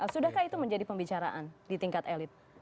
sudahkah itu menjadi pembicaraan di tingkat elit